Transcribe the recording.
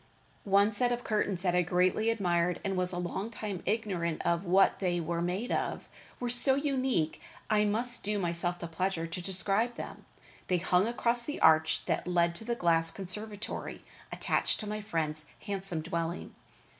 One set of curtains that I greatly admired, and was a long time ignorant of what they were made of, were so unique, I must do myself the pleasure to describe them. They hung across the arch that led to the glass conservatory attached to my friend's handsome dwelling.